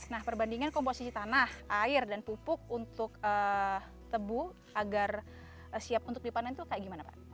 nah perbandingan komposisi tanah air dan pupuk untuk tebu agar siap untuk dipanen itu kayak gimana pak